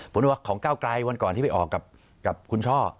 ผมว่าของก้าวไกลวันก่อนที่ไปออกกับคุณช่อ